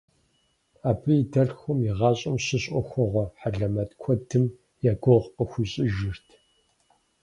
Абы и дэлъхум и гъащӏэм щыщ ӏуэхугъуэ хьэлэмэт куэдым я гугъу къыхуищӏыжырт.